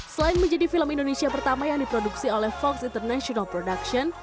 selain menjadi film indonesia pertama yang diproduksi oleh fox international production